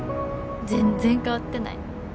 全然変わってない。